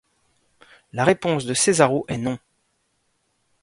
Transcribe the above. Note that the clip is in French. La réponse de Cesaro est non.